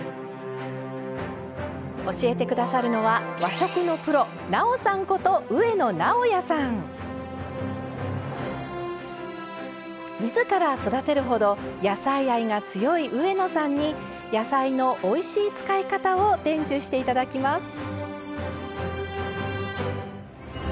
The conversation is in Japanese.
教えてくださるのは和食のプロ自ら育てるほど野菜愛が強い上野さんに野菜のおいしい使い方を伝授していただきます。